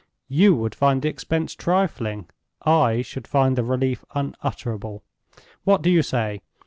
You would find the expense trifling; I should find the relief unutterable. What do you say?